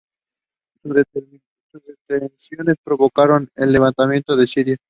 Sus detenciones provocaron el levantamiento en Siria.